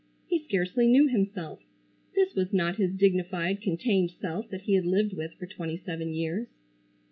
He scarcely knew himself. This was not his dignified contained self that he had lived with for twenty seven years.